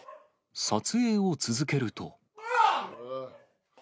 撮影を続けると。